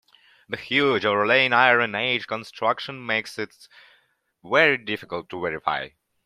The huge overlaying Iron Age construction makes this very difficult to verify.